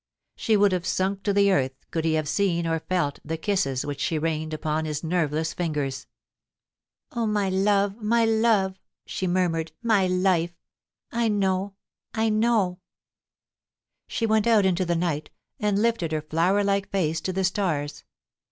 She would have sunk to the earth could he have seen, or felt, the kisses which she reined upon his nerveless fingers. * Oh my love, my love !* she murmured —* my life ! I know — I know.' She went out into the night, and lifted her flower like face to the stars.